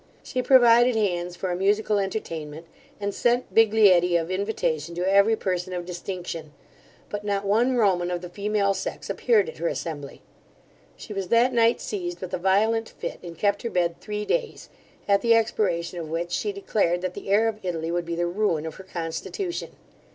She provided hands for a musical entertainment, and sent biglietti of invitation to every person of distinction; but not one Roman of the female sex appeared at her assembly She was that night seized with a violent fit, and kept her bed three days, at the expiration of which she declared that the air of Italy would be the ruin of her constitution.